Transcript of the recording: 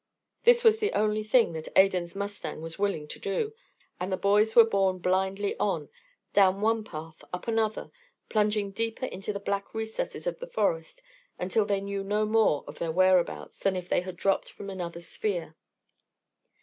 This was the only thing that Adan's mustang was willing to do, and the boys were borne blindly on, down one path, up another, plunging deeper into the black recesses of the forest until they knew no more of their whereabouts than if they had dropped from another sphere.